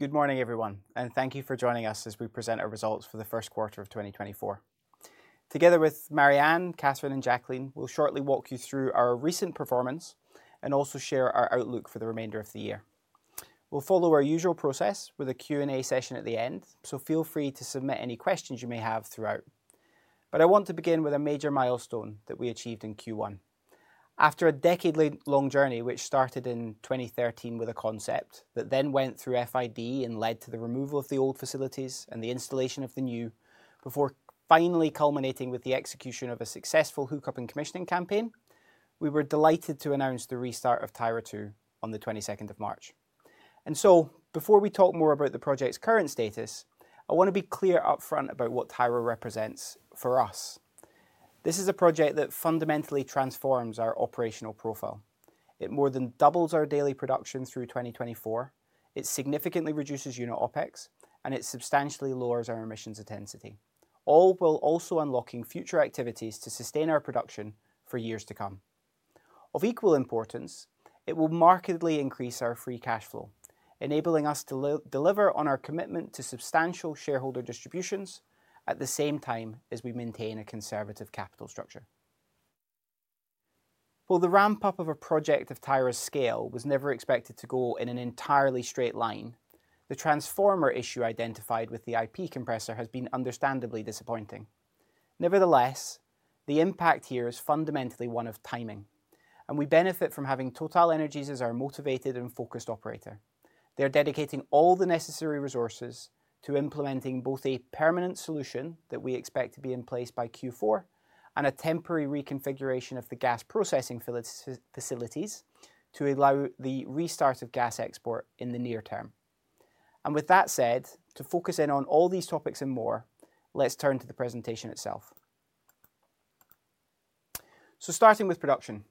Good morning, everyone, and thank you for joining us as we present our results for the first quarter of 2024. Together with Marianne, Cathrine, and Jacqueline, we'll shortly walk you through our recent performance and also share our outlook for the remainder of the year. We'll follow our usual process with a Q&A session at the end, so feel free to submit any questions you may have throughout. But I want to begin with a major milestone that we achieved in Q1. After a decade-long journey which started in 2013 with a concept that then went through FID and led to the removal of the old facilities and the installation of the new, before finally culminating with the execution of a successful hookup and commissioning campaign, we were delighted to announce the restart of Tyra II on the 22nd of March. Before we talk more about the project's current status, I want to be clear upfront about what Tyra represents for us. This is a project that fundamentally transforms our operational profile. It more than doubles our daily production through 2024, it significantly reduces unit OpEx, and it substantially lowers our emissions intensity, all while also unlocking future activities to sustain our production for years to come. Of equal importance, it will markedly increase our free cash flow, enabling us to deliver on our commitment to substantial shareholder distributions at the same time as we maintain a conservative capital structure. While the ramp-up of a project of Tyra's scale was never expected to go in an entirely straight line, the transformer issue identified with the IP compressor has been understandably disappointing. Nevertheless, the impact here is fundamentally one of timing, and we benefit from having TotalEnergies as our motivated and focused operator. They're dedicating all the necessary resources to implementing both a permanent solution that we expect to be in place by Q4 and a temporary reconfiguration of the gas processing facilities to allow the restart of gas export in the near term. With that said, to focus in on all these topics and more, let's turn to the presentation itself. Starting with production,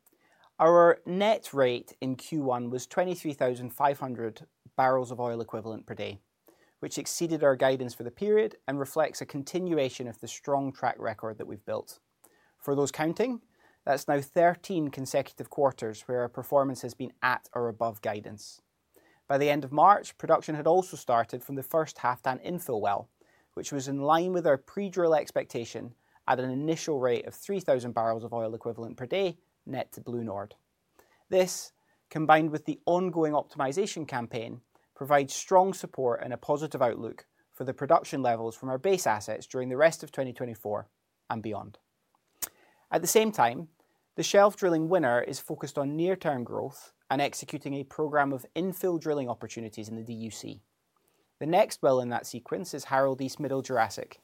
our net rate in Q1 was 23,500 barrels of oil equivalent per day, which exceeded our guidance for the period and reflects a continuation of the strong track record that we've built. For those counting, that's now 13 consecutive quarters where our performance has been at or above guidance. By the end of March, production had also started from the first Halfdan infill well, which was in line with our pre-drill expectation at an initial rate of 3,000 barrels of oil equivalent per day net to BlueNord. This, combined with the ongoing optimization campaign, provides strong support and a positive outlook for the production levels from our base assets during the rest of 2024 and beyond. At the same time, the Shelf Drilling Winner is focused on near-term growth and executing a program of infill drilling opportunities in the DUC. The next well in that sequence is Harald East Middle Jurassic,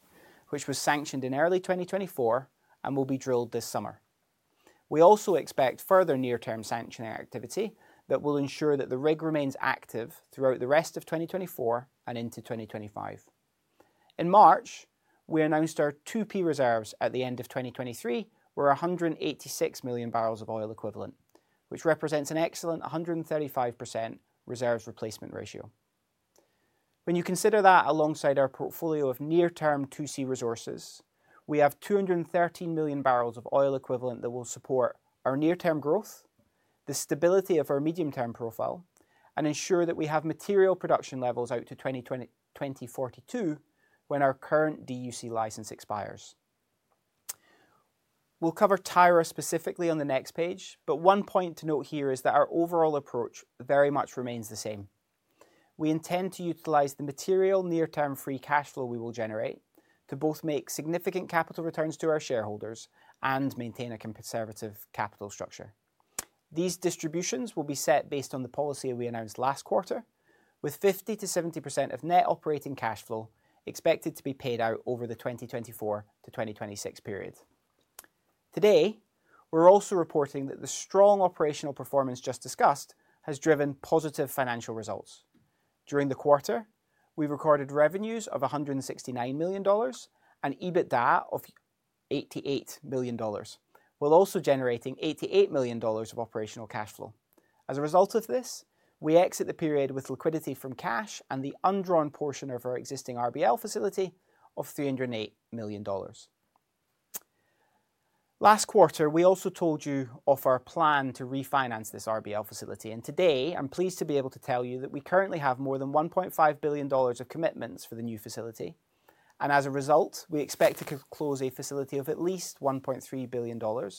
which was sanctioned in early 2024 and will be drilled this summer. We also expect further near-term sanctioning activity that will ensure that the rig remains active throughout the rest of 2024 and into 2025. In March, we announced our 2P reserves at the end of 2023 were 186 million barrels of oil equivalent, which represents an excellent 135% reserves replacement ratio. When you consider that alongside our portfolio of near-term 2C resources, we have 213 million barrels of oil equivalent that will support our near-term growth, the stability of our medium-term profile, and ensure that we have material production levels out to 2042 when our current DUC license expires. We'll cover Tyra specifically on the next page, but one point to note here is that our overall approach very much remains the same. We intend to utilize the material near-term free cash flow we will generate to both make significant capital returns to our shareholders and maintain a conservative capital structure. These distributions will be set based on the policy we announced last quarter, with 50%-70% of net operating cash flow expected to be paid out over the 2024 to 2026 period. Today, we're also reporting that the strong operational performance just discussed has driven positive financial results. During the quarter, we've recorded revenues of $169 million and EBITDA of $88 million, while also generating $88 million of operational cash flow. As a result of this, we exit the period with liquidity from cash and the undrawn portion of our existing RBL facility of $308 million. Last quarter, we also told you of our plan to refinance this RBL facility, and today I'm pleased to be able to tell you that we currently have more than $1.5 billion of commitments for the new facility. As a result, we expect to close a facility of at least $1.3 billion,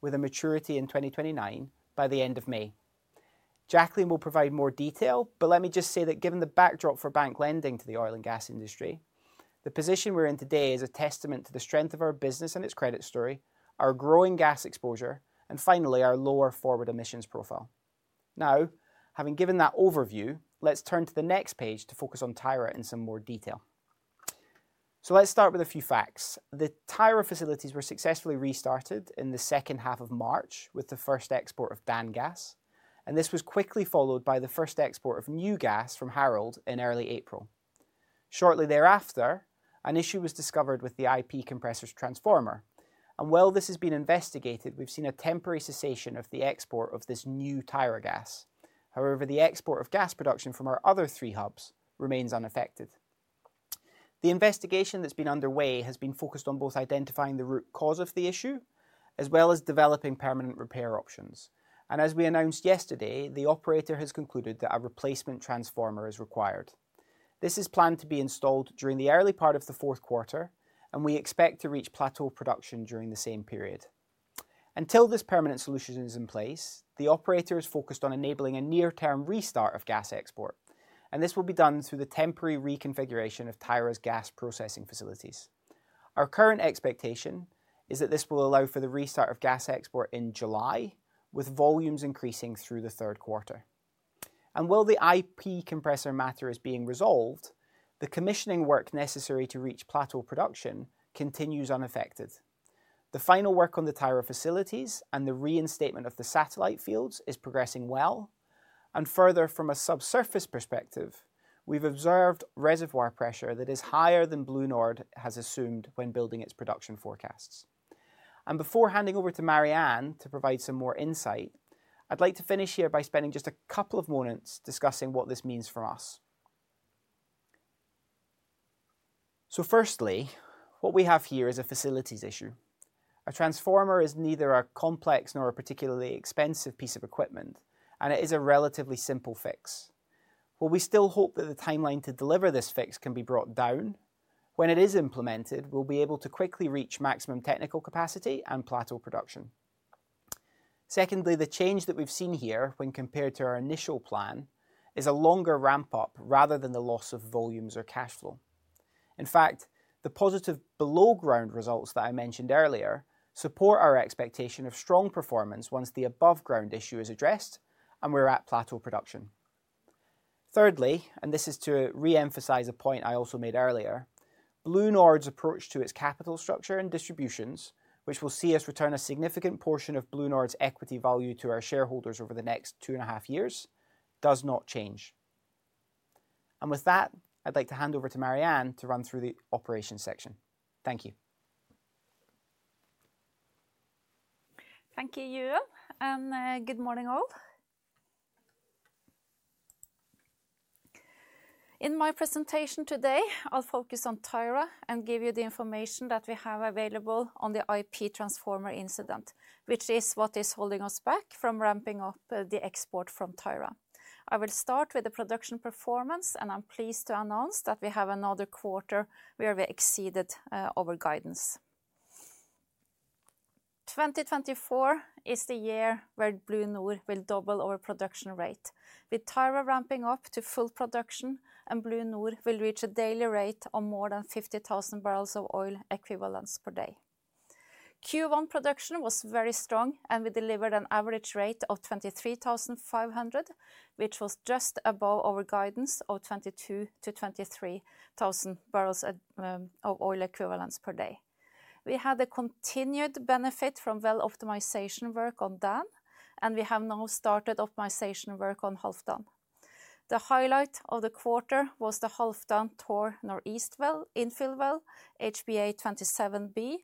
with a maturity in 2029 by the end of May. Jacqueline will provide more detail, but let me just say that given the backdrop for bank lending to the oil and gas industry, the position we're in today is a testament to the strength of our business and its credit story, our growing gas exposure, and finally our lower forward emissions profile. Now, having given that overview, let's turn to the next page to focus on Tyra in some more detail. So let's start with a few facts. The Tyra facilities were successfully restarted in the second half of March with the first export of Dan gas, and this was quickly followed by the first export of new gas from Harald in early April. Shortly thereafter, an issue was discovered with the IP compressor's transformer, and while this has been investigated, we've seen a temporary cessation of the export of this new Tyra gas. However, the export of gas production from our other three hubs remains unaffected. The investigation that's been underway has been focused on both identifying the root cause of the issue as well as developing permanent repair options. As we announced yesterday, the operator has concluded that a replacement transformer is required. This is planned to be installed during the early part of the fourth quarter, and we expect to reach plateau production during the same period. Until this permanent solution is in place, the operator is focused on enabling a near-term restart of gas export, and this will be done through the temporary reconfiguration of Tyra's gas processing facilities. Our current expectation is that this will allow for the restart of gas export in July, with volumes increasing through the third quarter. While the IP compressor matter is being resolved, the commissioning work necessary to reach plateau production continues unaffected. The final work on the Tyra facilities and the reinstatement of the satellite fields is progressing well. Further, from a subsurface perspective, we've observed reservoir pressure that is higher than BlueNord has assumed when building its production forecasts. Before handing over to Marianne to provide some more insight, I'd like to finish here by spending just a couple of moments discussing what this means for us. Firstly, what we have here is a facilities issue. A transformer is neither a complex nor a particularly expensive piece of equipment, and it is a relatively simple fix. While we still hope that the timeline to deliver this fix can be brought down, when it is implemented, we'll be able to quickly reach maximum technical capacity and plateau production. Secondly, the change that we've seen here when compared to our initial plan is a longer ramp-up rather than the loss of volumes or cash flow. In fact, the positive below-ground results that I mentioned earlier support our expectation of strong performance once the above-ground issue is addressed and we're at plateau production. Thirdly, and this is to re-emphasize a point I also made earlier, BlueNord's approach to its capital structure and distributions, which will see us return a significant portion of BlueNord's equity value to our shareholders over the next two and a half years, does not change. And with that, I'd like to hand over to Marianne to run through the operations section. Thank you. Thank you, Euan, and good morning, all. In my presentation today, I'll focus on Tyra and give you the information that we have available on the IP transformer incident, which is what is holding us back from ramping up the export from Tyra. I will start with the production performance, and I'm pleased to announce that we have another quarter where we exceeded our guidance. 2024 is the year where BlueNord will double our production rate. With Tyra ramping up to full production, BlueNord will reach a daily rate of more than 50,000 barrels of oil equivalent per day. Q1 production was very strong, and we delivered an average rate of 23,500, which was just above our guidance of 22,000 to 23,000 barrels of oil equivalent per day. We had a continued benefit from well optimization work on Dan, and we have now started optimization work on Halfdan. The highlight of the quarter was the Halfdan North East infill well, HBA-27B,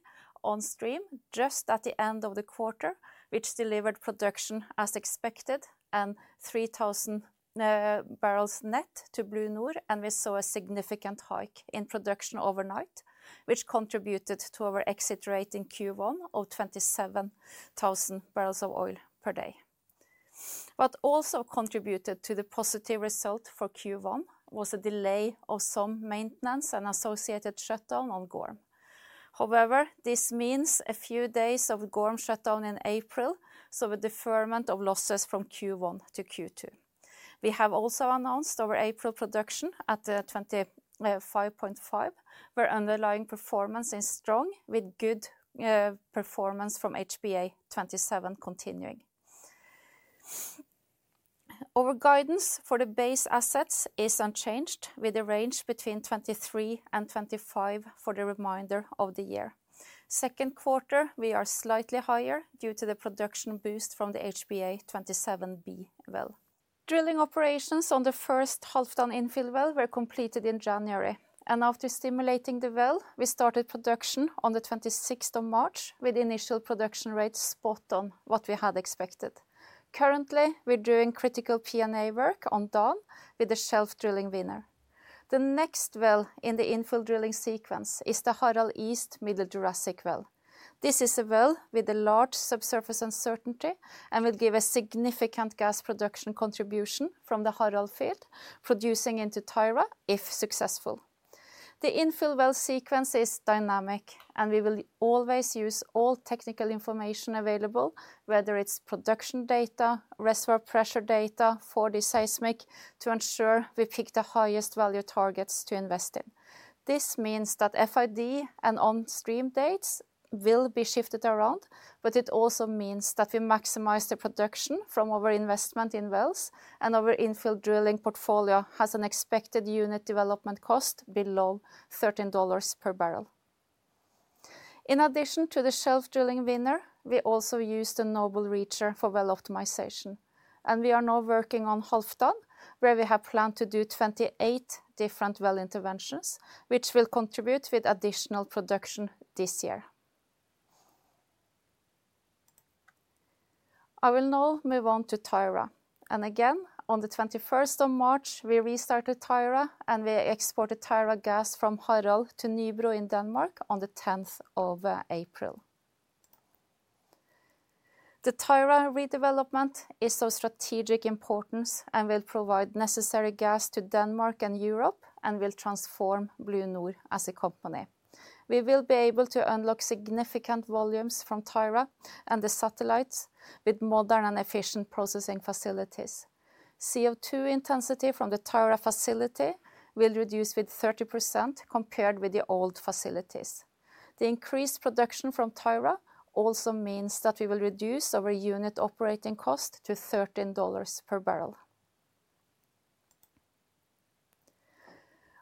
on stream just at the end of the quarter, which delivered production as expected and 3,000 barrels net to BlueNord, and we saw a significant hike in production overnight, which contributed to our exit rate in Q1 of 27,000 barrels of oil per day. What also contributed to the positive result for Q1 was a delay of some maintenance and associated shutdown on Gorm. However, this means a few days of Gorm shutdown in April, so a deferment of losses from Q1-Q2. We have also announced our April production at 25.5, where underlying performance is strong, with good performance from HBA-27 continuing. Our guidance for the base assets is unchanged, with a range between 23 and 25 for the remainder of the year. Second quarter, we are slightly higher due to the production boost from the HBA-27B well. Drilling operations on the first Halfdan infill well were completed in January, and after stimulating the well, we started production on the 26th of March with initial production rates spot on what we had expected. Currently, we're doing critical P&A work on Dan with the Shelf Drilling Winner. The next well in the infill drilling sequence is the Harald East Middle Jurassic well. This is a well with a large subsurface uncertainty and will give a significant gas production contribution from the Harald field, producing into Tyra if successful. The infill well sequence is dynamic, and we will always use all technical information available, whether it's production data, reservoir pressure data, for the seismic, to ensure we pick the highest value targets to invest in. This means that FID and on-stream dates will be shifted around, but it also means that we maximize the production from our investment in wells, and our infill drilling portfolio has an expected unit development cost below $13 per barrel. In addition to the Shelf Drilling Winner, we also used a Noble Reacher for well optimization, and we are now working on Halfdan, where we have planned to do 28 different well interventions, which will contribute with additional production this year. I will now move on to Tyra. Again, on the 21st of March, we restarted Tyra, and we exported Tyra gas from Harald to Nybro in Denmark on the 10th of April. The Tyra redevelopment is of strategic importance and will provide necessary gas to Denmark and Europe and will transform BlueNord as a company. We will be able to unlock significant volumes from Tyra and the satellites with modern and efficient processing facilities. CO2 intensity from the Tyra facility will reduce with 30% compared with the old facilities. The increased production from Tyra also means that we will reduce our unit operating cost to $13 per barrel.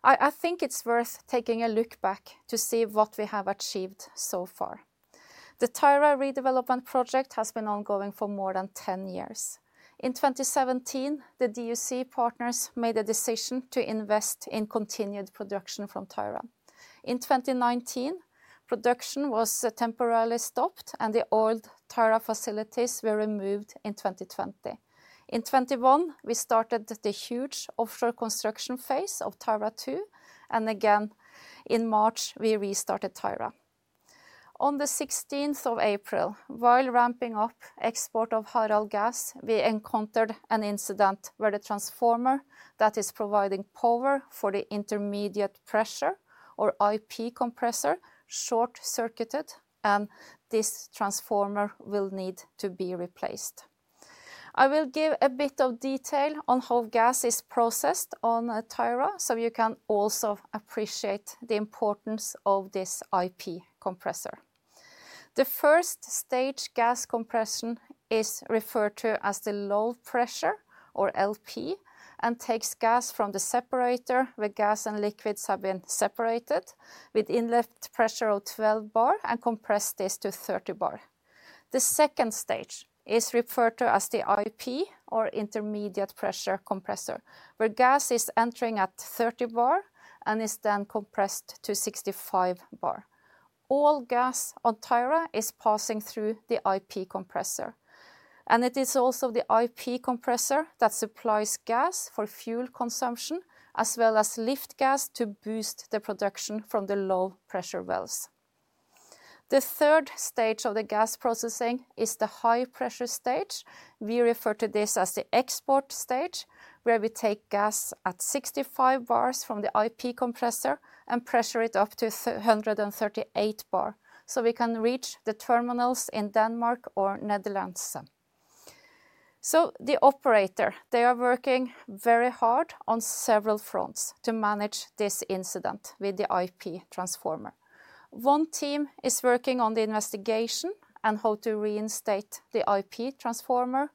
I think it's worth taking a look back to see what we have achieved so far. The Tyra redevelopment project has been ongoing for more than 10 years. In 2017, the DUC partners made a decision to invest in continued production from Tyra. In 2019, production was temporarily stopped, and the old Tyra facilities were removed in 2020. In 2021, we started the huge offshore construction phase of Tyra II, and again, in March, we restarted Tyra. On the 16th of April, while ramping up export of Harald gas, we encountered an incident where the transformer that is providing power for the intermediate pressure, or IP compressor, short-circuited, and this transformer will need to be replaced. I will give a bit of detail on how gas is processed on Tyra so you can also appreciate the importance of this IP compressor. The first stage gas compression is referred to as the low pressure, or LP, and takes gas from the separator where gas and liquids have been separated with inlet pressure of 12 bar and compresses this to 30 bar. The second stage is referred to as the IP, or intermediate pressure compressor, where gas is entering at 30 bar and is then compressed to 65 bar. All gas on Tyra is passing through the IP compressor. It is also the IP compressor that supplies gas for fuel consumption as well as lift gas to boost the production from the low pressure wells. The third stage of the gas processing is the high pressure stage. We refer to this as the export stage, where we take gas at 65 bars from the IP compressor and pressure it up to 138 bar so we can reach the terminals in Denmark or Netherlands. The operator, they are working very hard on several fronts to manage this incident with the IP transformer. One team is working on the investigation and how to reinstate the IP transformer.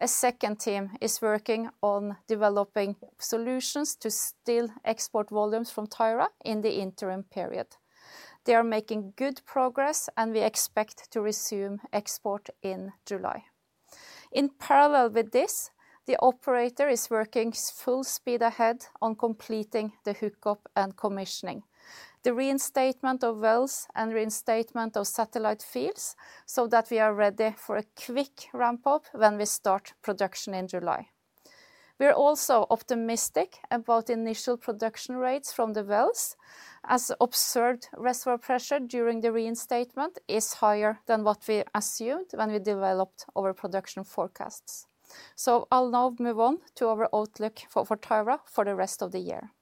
A second team is working on developing solutions to still export volumes from Tyra in the interim period. They are making good progress, and we expect to resume export in July. In parallel with this, the operator is working full speed ahead on completing the hookup and commissioning, the reinstatement of wells, and reinstatement of satellite fields so that we are ready for a quick ramp-up when we start production in July. We are also optimistic about initial production rates from the wells, as observed reservoir pressure during the reinstatement is higher than what we assumed when we developed our production forecasts. I'll now move on to our outlook for Tyra for the rest of the year.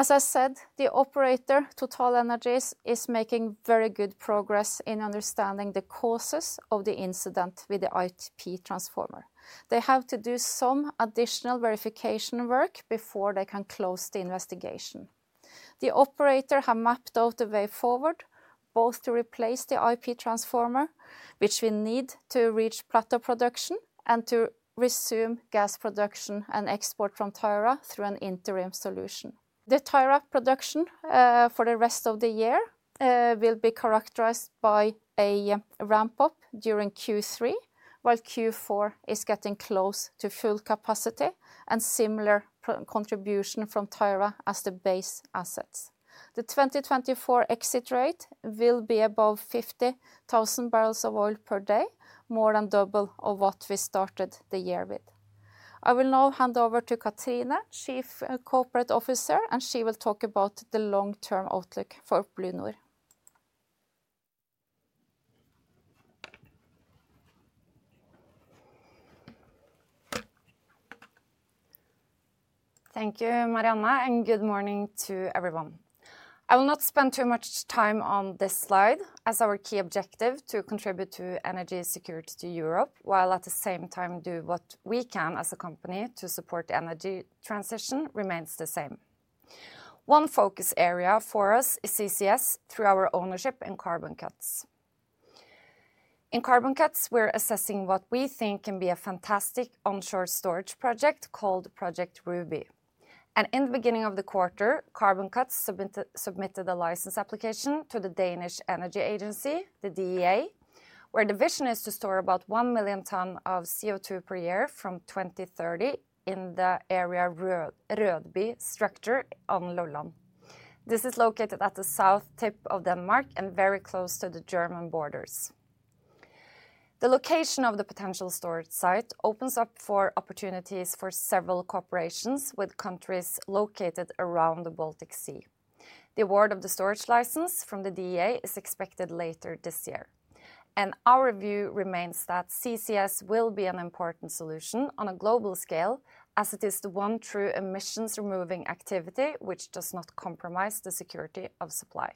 As I said, the operator, TotalEnergies, is making very good progress in understanding the causes of the incident with the IP transformer. They have to do some additional verification work before they can close the investigation. The operator has mapped out the way forward, both to replace the IP transformer, which we need to reach plateau production, and to resume gas production and export from Tyra through an interim solution. The Tyra production for the rest of the year will be characterized by a ramp-up during Q3, while Q4 is getting close to full capacity and similar contribution from Tyra as the base assets. The 2024 exit rate will be above 50,000 barrels of oil per day, more than double of what we started the year with. I will now hand over to Cathrine, Chief Corporate Officer, and she will talk about the long-term outlook for BlueNord. Thank you, Marianne, and good morning to everyone. I will not spend too much time on this slide, as our key objective to contribute to energy security to Europe, while at the same time do what we can as a company to support the energy transition, remains the same. One focus area for us is CCS through our ownership in CarbonCuts. In CarbonCuts, we're assessing what we think can be a fantastic onshore storage project called Project Ruby. In the beginning of the quarter, CarbonCuts submitted a license application to the Danish Energy Agency, the DEA, where the vision is to store about 1 million tonnes of CO2 per year from 2030 in the Rødby structure on Lolland. This is located at the south tip of Denmark and very close to the German borders. The location of the potential storage site opens up for opportunities for several cooperations with countries located around the Baltic Sea. The award of the storage license from the DEA is expected later this year. Our view remains that CCS will be an important solution on a global scale, as it is the one true emissions-removing activity which does not compromise the security of supply.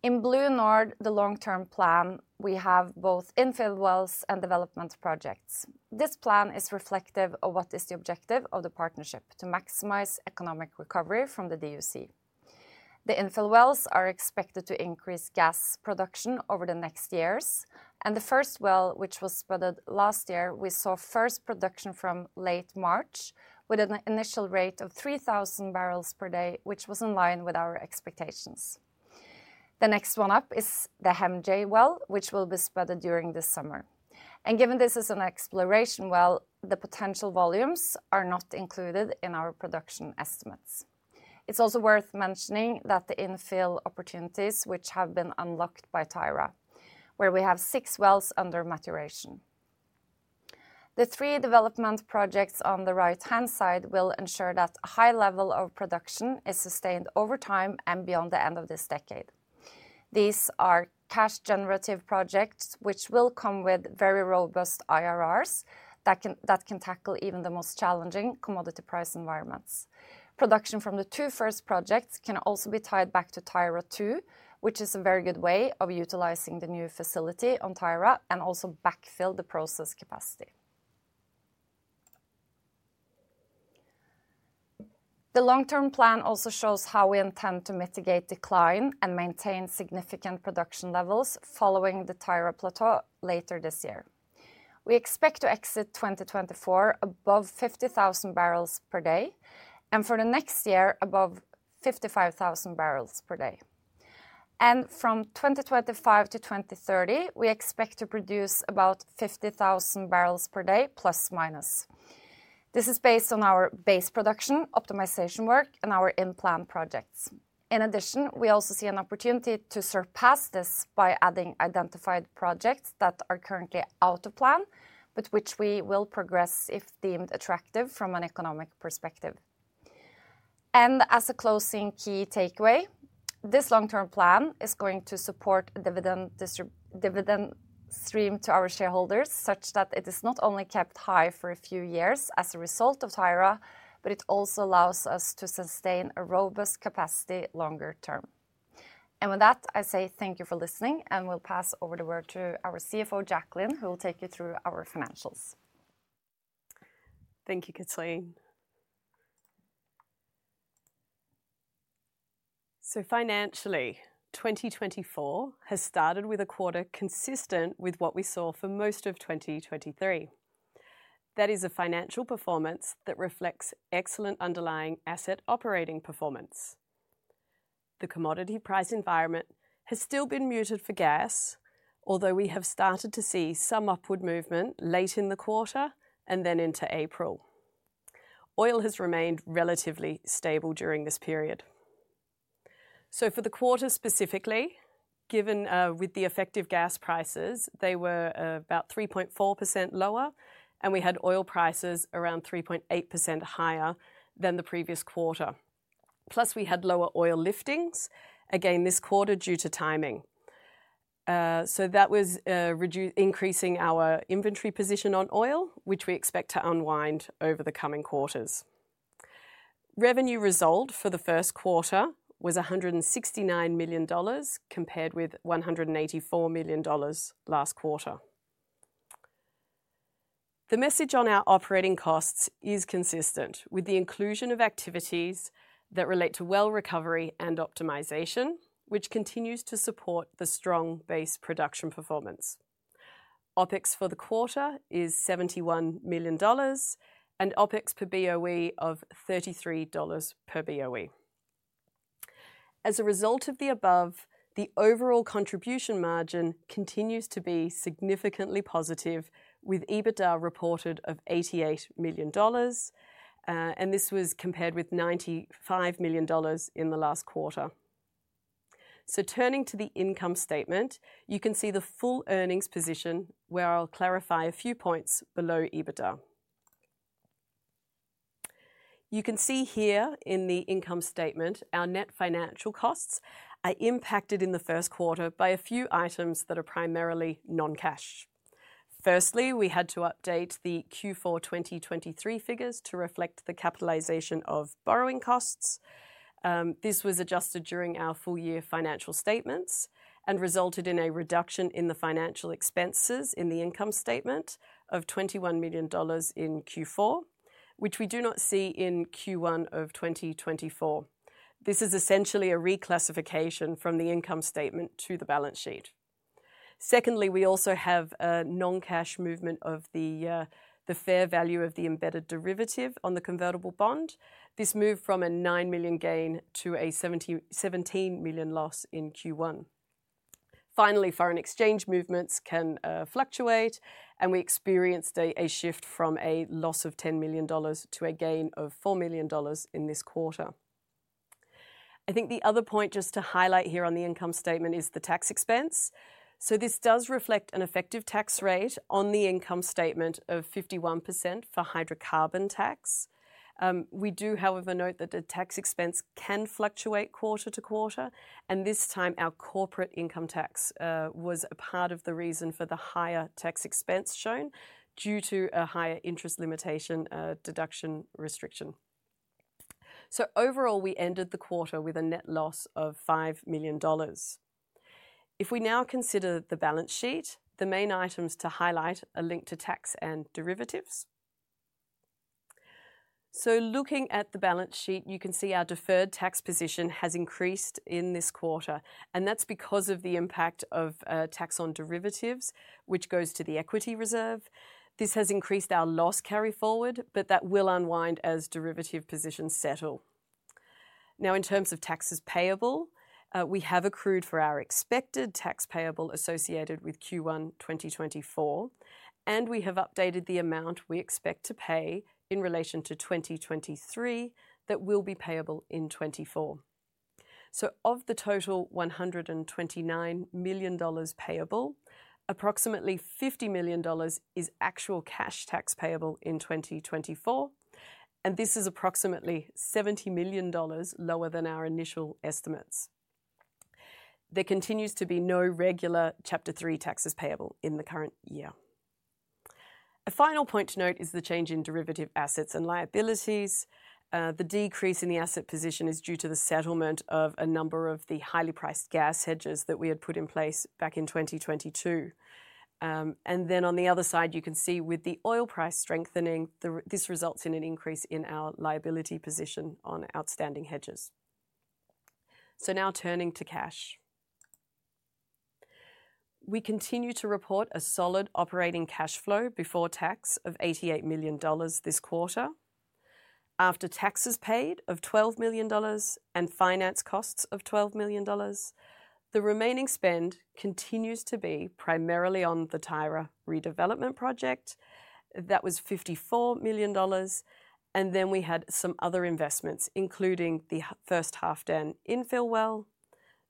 In BlueNord, the long-term plan, we have both infill wells and development projects. This plan is reflective of what is the objective of the partnership, to maximize economic recovery from the DUC. The infill wells are expected to increase gas production over the next years. The first well, which was spudded last year, we saw first production from late March, with an initial rate of 3,000 barrels per day, which was in line with our expectations. The next one up is the HEMJ well, which will be spotted during this summer. Given this is an exploration well, the potential volumes are not included in our production estimates. It's also worth mentioning the infill opportunities which have been unlocked by Tyra, where we have six wells under maturation. The three development projects on the right-hand side will ensure that a high level of production is sustained over time and beyond the end of this decade. These are cash-generative projects, which will come with very robust IRRs that can tackle even the most challenging commodity price environments. Production from the two first projects can also be tied back to Tyra II, which is a very good way of utilizing the new facility on Tyra and also backfill the process capacity. The long-term plan also shows how we intend to mitigate decline and maintain significant production levels following the Tyra plateau later this year. We expect to exit 2024 above 50,000 barrels per day, and for the next year above 55,000 barrels per day. From 2025 to 2030, we expect to produce about 50,000 barrels per day ±. This is based on our base production optimization work and our in-plan projects. In addition, we also see an opportunity to surpass this by adding identified projects that are currently out of plan, but which we will progress if deemed attractive from an economic perspective. As a closing key takeaway, this long-term plan is going to support a dividend stream to our shareholders, such that it is not only kept high for a few years as a result of Tyra, but it also allows us to sustain a robust capacity longer term. With that, I say thank you for listening, and we'll pass over the word to our CFO, Jacqueline, who will take you through our financials. Thank you, Cathrine. So financially, 2024 has started with a quarter consistent with what we saw for most of 2023. That is a financial performance that reflects excellent underlying asset operating performance. The commodity price environment has still been muted for gas, although we have started to see some upward movement late in the quarter and then into April. Oil has remained relatively stable during this period. So for the quarter specifically, given with the effective gas prices, they were about 3.4% lower, and we had oil prices around 3.8% higher than the previous quarter. Plus, we had lower oil liftings, again this quarter due to timing. So that was increasing our inventory position on oil, which we expect to unwind over the coming quarters. Revenue result for the first quarter was $169 million compared with $184 million last quarter. The message on our operating costs is consistent, with the inclusion of activities that relate to well recovery and optimization, which continues to support the strong base production performance. OpEx for the quarter is $71 million, and OpEx per BOE of $33 per BOE. As a result of the above, the overall contribution margin continues to be significantly positive, with EBITDA reported of $88 million, and this was compared with $95 million in the last quarter. So turning to the income statement, you can see the full earnings position, where I'll clarify a few points below EBITDA. You can see here in the income statement our net financial costs are impacted in the first quarter by a few items that are primarily non-cash. Firstly, we had to update the Q4 2023 figures to reflect the capitalization of borrowing costs. This was adjusted during our full-year financial statements and resulted in a reduction in the financial expenses in the income statement of $21 million in Q4, which we do not see in Q1 of 2024. This is essentially a reclassification from the income statement to the balance sheet. Secondly, we also have a non-cash movement of the fair value of the embedded derivative on the convertible bond. This moved from a $9 million gain to a $17 million loss in Q1. Finally, foreign exchange movements can fluctuate, and we experienced a shift from a loss of $10 million to a gain of $4 million in this quarter. I think the other point just to highlight here on the income statement is the tax expense. So this does reflect an effective tax rate on the income statement of 51% for hydrocarbon tax. We do, however, note that the tax expense can fluctuate quarter to quarter, and this time our corporate income tax was a part of the reason for the higher tax expense shown, due to a higher interest limitation deduction restriction. So overall, we ended the quarter with a net loss of $5 million. If we now consider the balance sheet, the main items to highlight are linked to tax and derivatives. So looking at the balance sheet, you can see our deferred tax position has increased in this quarter, and that's because of the impact of tax on derivatives, which goes to the equity reserve. This has increased our loss carry forward, but that will unwind as derivative positions settle. Now, in terms of taxes payable, we have accrued for our expected tax payable associated with Q1 2024, and we have updated the amount we expect to pay in relation to 2023 that will be payable in 2024. So of the total $129 million payable, approximately $50 million is actual cash tax payable in 2024, and this is approximately $70 million lower than our initial estimates. There continues to be no regular Chapter 3 taxes payable in the current year. A final point to note is the change in derivative assets and liabilities. The decrease in the asset position is due to the settlement of a number of the highly priced gas hedges that we had put in place back in 2022. And then on the other side, you can see with the oil price strengthening, this results in an increase in our liability position on outstanding hedges. So now turning to cash. We continue to report a solid operating cash flow before tax of $88 million this quarter. After taxes paid of $12 million and finance costs of $12 million, the remaining spend continues to be primarily on the Tyra redevelopment project. That was $54 million, and then we had some other investments, including the first Halfdan infill well,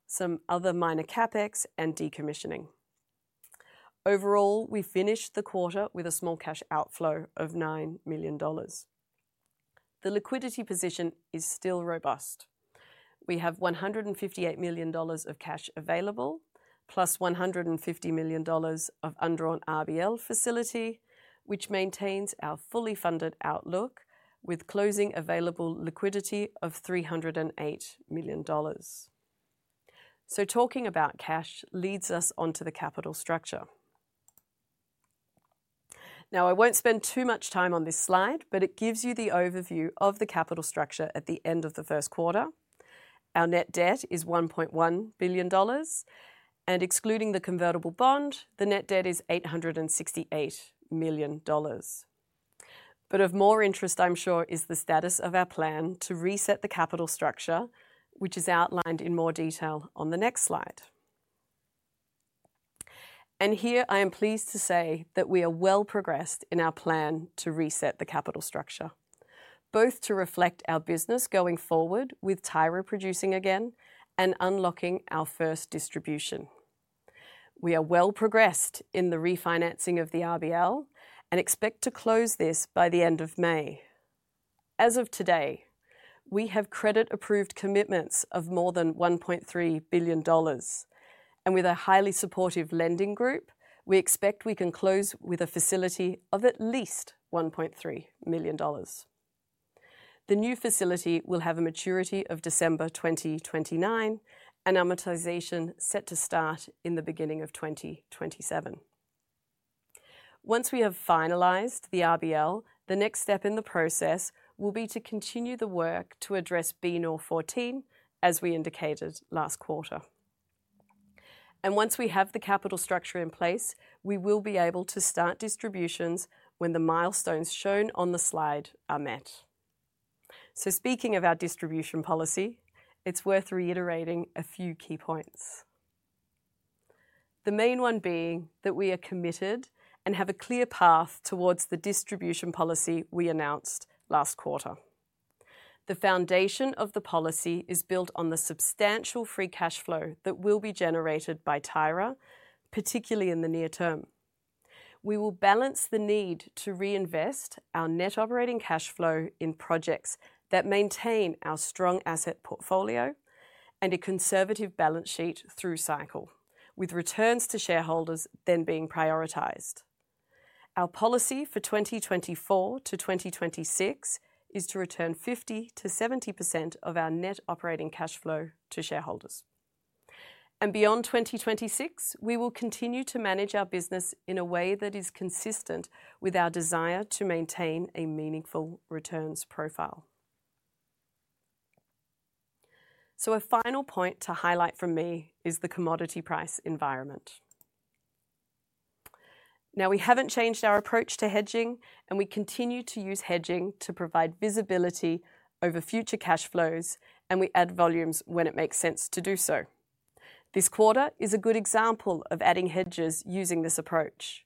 some other minor CapEx, and decommissioning. Overall, we finished the quarter with a small cash outflow of $9 million. The liquidity position is still robust. We have $158 million of cash available, plus $150 million of undrawn RBL facility, which maintains our fully funded outlook, with closing available liquidity of $308 million. So talking about cash leads us onto the capital structure. Now, I won't spend too much time on this slide, but it gives you the overview of the capital structure at the end of the first quarter. Our net debt is $1.1 billion, and excluding the convertible bond, the net debt is $868 million. But of more interest, I'm sure, is the status of our plan to reset the capital structure, which is outlined in more detail on the next slide. And here I am pleased to say that we are well progressed in our plan to reset the capital structure, both to reflect our business going forward with Tyra producing again and unlocking our first distribution. We are well progressed in the refinancing of the RBL and expect to close this by the end of May. As of today, we have credit-approved commitments of more than $1.3 billion, and with a highly supportive lending group, we expect we can close with a facility of at least $1.3 million. The new facility will have a maturity of December 2029 and amortization set to start in the beginning of 2027. Once we have finalized the RBL, the next step in the process will be to continue the work to address BNOR14, as we indicated last quarter. Once we have the capital structure in place, we will be able to start distributions when the milestones shown on the slide are met. Speaking of our distribution policy, it's worth reiterating a few key points. The main one being that we are committed and have a clear path towards the distribution policy we announced last quarter. The foundation of the policy is built on the substantial free cash flow that will be generated by Tyra, particularly in the near term. We will balance the need to reinvest our net operating cash flow in projects that maintain our strong asset portfolio and a conservative balance sheet through cycle, with returns to shareholders then being prioritized. Our policy for 2024 to 2026 is to return 50%-70% of our net operating cash flow to shareholders. Beyond 2026, we will continue to manage our business in a way that is consistent with our desire to maintain a meaningful returns profile. A final point to highlight from me is the commodity price environment. Now, we haven't changed our approach to hedging, and we continue to use hedging to provide visibility over future cash flows, and we add volumes when it makes sense to do so. This quarter is a good example of adding hedges using this approach.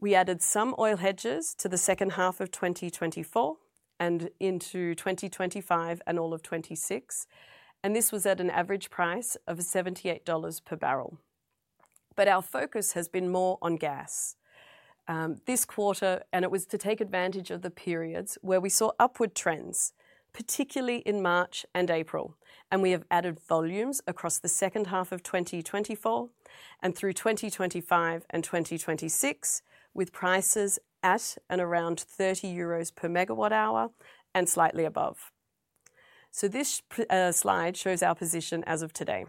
We added some oil hedges to the second half of 2024 and into 2025 and all of 2026, and this was at an average price of $78 per barrel. Our focus has been more on gas. This quarter, and it was to take advantage of the periods where we saw upward trends, particularly in March and April, and we have added volumes across the second half of 2024 and through 2025 and 2026, with prices at and around 30 euros per MW-hour and slightly above. This slide shows our position as of today.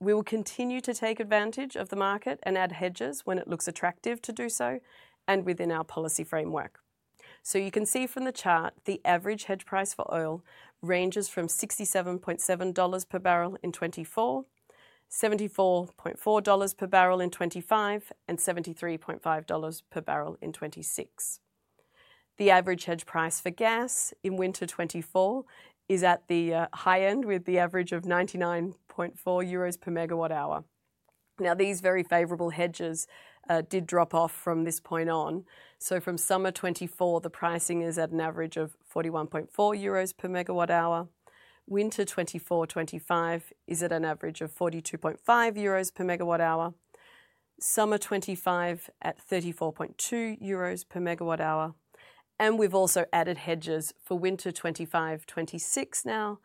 We will continue to take advantage of the market and add hedges when it looks attractive to do so and within our policy framework. So you can see from the chart the average hedge price for oil ranges from $67.7 per barrel in 2024, $74.4 per barrel in 2025, and $73.5 per barrel in 2026. The average hedge price for gas in winter 2024 is at the high end with the average of 99.4 euros per MWh Now, these very favorable hedges did drop off from this point on. So from summer 2024, the pricing is at an average of 41.4 euros per MWh. Winter 2024-2025 is at an average of 42.5 euros per MWh Summer 2025 at 34.2 euros per MWh And we've also added hedges for winter 2025-2026 now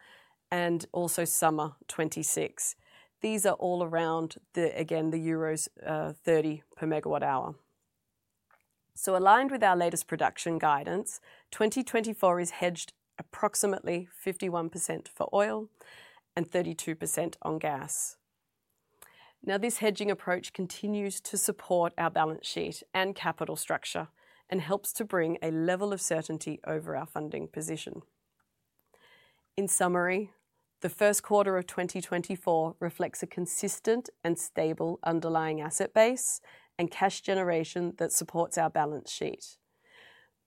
and also summer 2026. These are all around, again, the euros 30 per MWh So aligned with our latest production guidance, 2024 is hedged approximately 51% for oil and 32% on gas. Now, this hedging approach continues to support our balance sheet and capital structure and helps to bring a level of certainty over our funding position. In summary, the first quarter of 2024 reflects a consistent and stable underlying asset base and cash generation that supports our balance sheet.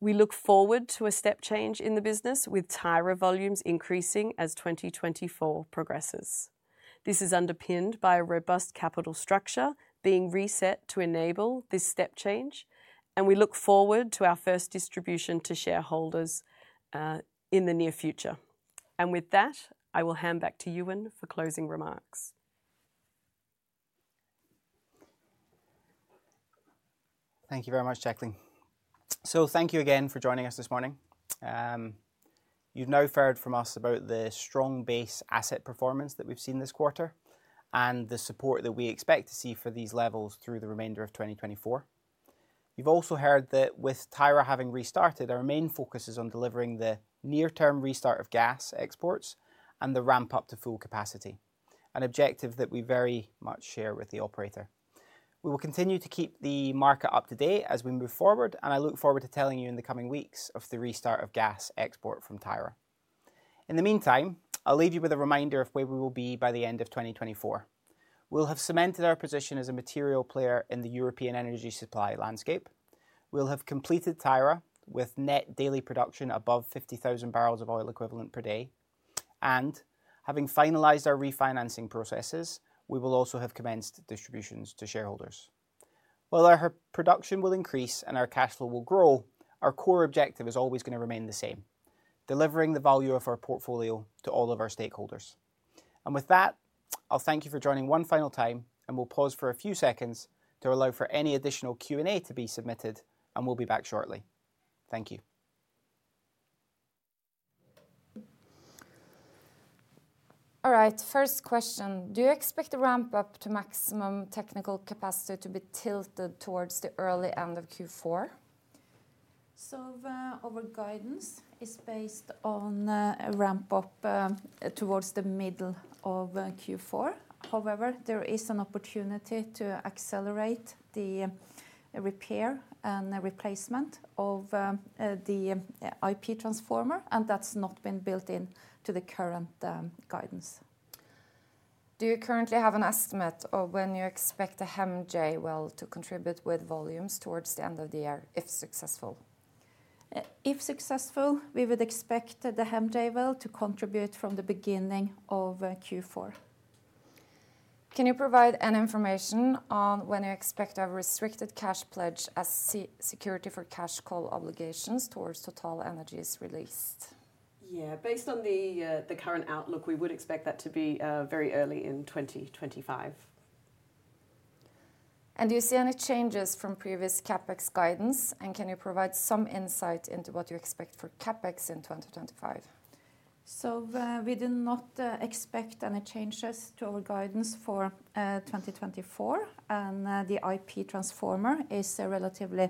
We look forward to a step change in the business with Tyra volumes increasing as 2024 progresses. This is underpinned by a robust capital structure being reset to enable this step change, and we look forward to our first distribution to shareholders in the near future. With that, I will hand back to Euan for closing remarks. Thank you very much, Jacqueline. So thank you again for joining us this morning. You've now heard from us about the strong base asset performance that we've seen this quarter and the support that we expect to see for these levels through the remainder of 2024. You've also heard that with Tyra having restarted, our main focus is on delivering the near-term restart of gas exports and the ramp-up to full capacity, an objective that we very much share with the operator. We will continue to keep the market up to date as we move forward, and I look forward to telling you in the coming weeks of the restart of gas export from Tyra. In the meantime, I'll leave you with a reminder of where we will be by the end of 2024. We'll have cemented our position as a material player in the European energy supply landscape. We'll have completed Tyra with net daily production above 50,000 barrels of oil equivalent per day. Having finalized our refinancing processes, we will also have commenced distributions to shareholders. While our production will increase and our cash flow will grow, our core objective is always going to remain the same: delivering the value of our portfolio to all of our stakeholders. With that, I'll thank you for joining one final time, and we'll pause for a few seconds to allow for any additional Q&A to be submitted, and we'll be back shortly. Thank you. All right. First question: Do you expect the ramp-up to maximum technical capacity to be tilted towards the early end of Q4? Our guidance is based on a ramp-up towards the middle of Q4. However, there is an opportunity to accelerate the repair and replacement of the IP transformer, and that's not been built into the current guidance. Do you currently have an estimate of when you expect the HEMJ well to contribute with volumes towards the end of the year, if successful? If successful, we would expect the HEMJ well to contribute from the beginning of Q4. Can you provide any information on when you expect our restricted cash pledge as security for cash call obligations towards TotalEnergies is released? Yeah. Based on the current outlook, we would expect that to be very early in 2025. Do you see any changes from previous CapEx guidance, and can you provide some insight into what you expect for CapEx in 2025? We do not expect any changes to our guidance for 2024, and the IP transformer is a relatively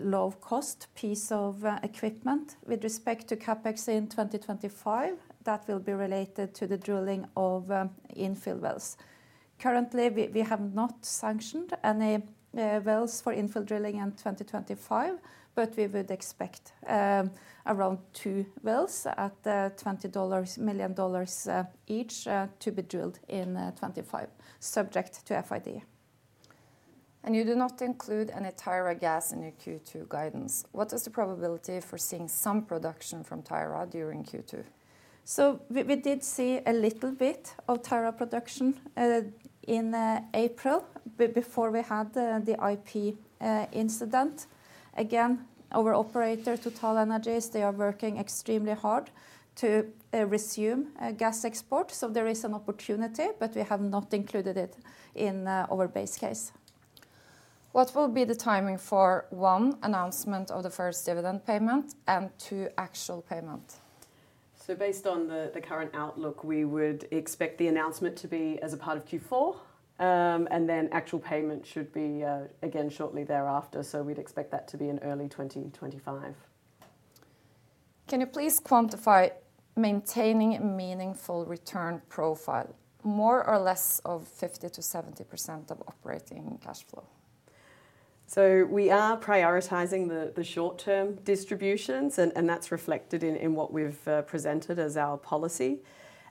low-cost piece of equipment. With respect to CapEx in 2025, that will be related to the drilling of infill wells. Currently, we have not sanctioned any wells for infill drilling in 2025, but we would expect around two wells at $20 million each to be drilled in 2025, subject to FID. You do not include any Tyra gas in your Q2 guidance. What is the probability for seeing some production from Tyra during Q2? We did see a little bit of Tyra production in April before we had the IP incident. Again, our operator, TotalEnergies, they are working extremely hard to resume gas export, so there is an opportunity, but we have not included it in our base case. What will be the timing for, one, announcement of the first dividend payment, and two, actual payment? So based on the current outlook, we would expect the announcement to be as a part of Q4, and then actual payment should be, again, shortly thereafter. So we'd expect that to be in early 2025. Can you please quantify maintaining a meaningful return profile, more or less of 50%-70% of operating cash flow? We are prioritizing the short-term distributions, and that's reflected in what we've presented as our policy.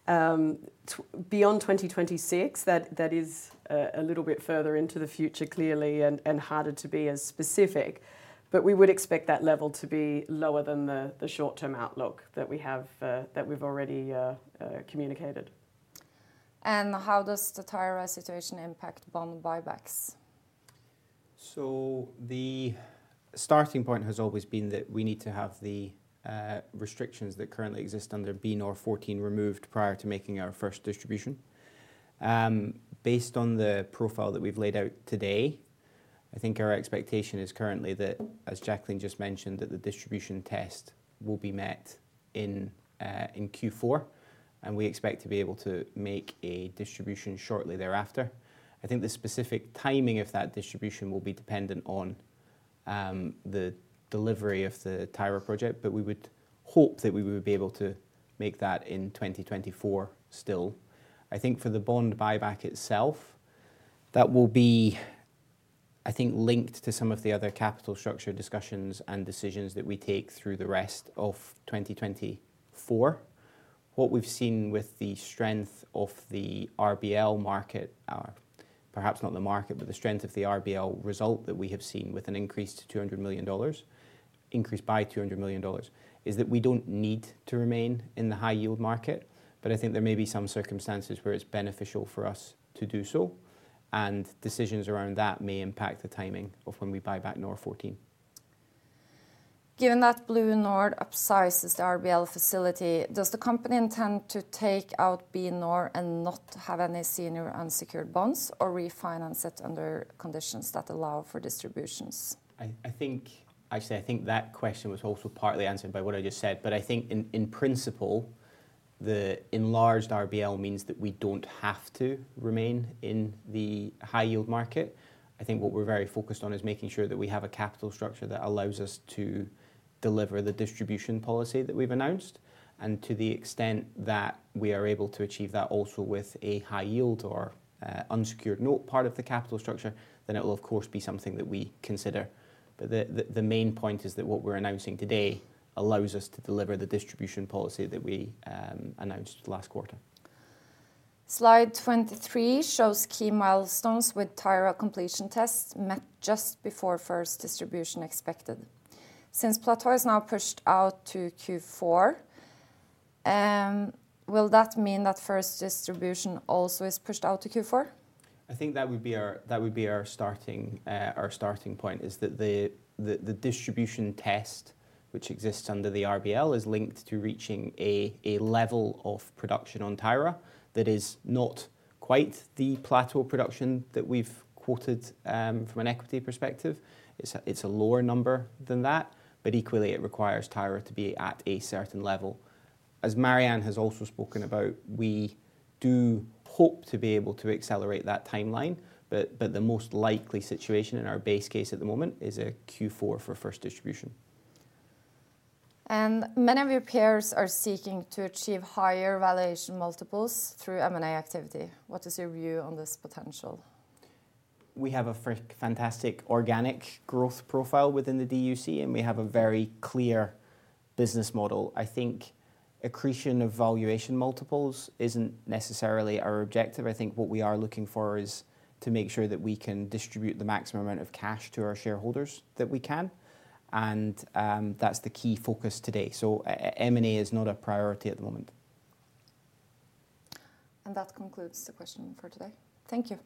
Beyond 2026, that is a little bit further into the future, clearly, and harder to be as specific. We would expect that level to be lower than the short-term outlook that we've already communicated. How does the Tyra situation impact bond buybacks? The starting point has always been that we need to have the restrictions that currently exist under BNOR14 removed prior to making our first distribution. Based on the profile that we've laid out today, I think our expectation is currently that, as Jacqueline just mentioned, that the distribution test will be met in Q4, and we expect to be able to make a distribution shortly thereafter. I think the specific timing of that distribution will be dependent on the delivery of the Tyra project, but we would hope that we would be able to make that in 2024 still. I think for the bond buyback itself, that will be, I think, linked to some of the other capital structure discussions and decisions that we take through the rest of 2024. What we've seen with the strength of the RBL market, perhaps not the market, but the strength of the RBL result that we have seen with an increase to $200 million, increase by $200 million, is that we don't need to remain in the high-yield market, but I think there may be some circumstances where it's beneficial for us to do so, and decisions around that may impact the timing of when we buy back BNOR14. Given that BlueNord upsizes the RBL facility, does the company intend to take out BNOR and not have any senior unsecured bonds or refinance it under conditions that allow for distributions? Actually, I think that question was also partly answered by what I just said, but I think, in principle, the enlarged RBL means that we don't have to remain in the high-yield market. I think what we're very focused on is making sure that we have a capital structure that allows us to deliver the distribution policy that we've announced. And to the extent that we are able to achieve that also with a high-yield or unsecured note part of the capital structure, then it will, of course, be something that we consider. But the main point is that what we're announcing today allows us to deliver the distribution policy that we announced last quarter. Slide 23 shows key milestones with Tyra completion tests met just before first distribution expected. Since plateau is now pushed out to Q4, will that mean that first distribution also is pushed out to Q4? I think that would be our starting point, is that the distribution test, which exists under the RBL, is linked to reaching a level of production on Tyra that is not quite the plateau production that we've quoted from an equity perspective. It's a lower number than that, but equally, it requires Tyra to be at a certain level. As Marianne has also spoken about, we do hope to be able to accelerate that timeline, but the most likely situation in our base case at the moment is a Q4 for first distribution. Many of your peers are seeking to achieve higher valuation multiples through M&A activity. What is your view on this potential? We have a fantastic organic growth profile within the DUC, and we have a very clear business model. I think accretion of valuation multiples isn't necessarily our objective. I think what we are looking for is to make sure that we can distribute the maximum amount of cash to our shareholders that we can, and that's the key focus today. So M&A is not a priority at the moment. That concludes the question for today. Thank you.